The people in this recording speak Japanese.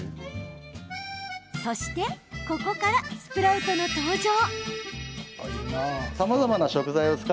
そして、ここからスプラウトの登場。